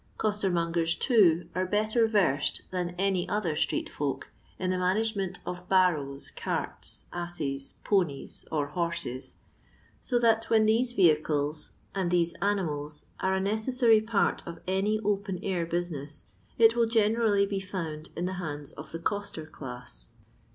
Costermongers, too, tte better versed than any other street folk in the loanagement of barrows, carts, asses, ponies, or horses, so that when these vehicles and these animals are a necessary part of any open air business, it will generally be found in the hands of the coster chiss.